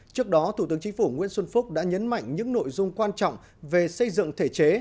trước đó thủ tướng chính phủ nguyễn xuân phúc đã nhấn mạnh những nội dung quan trọng về xây dựng thể chế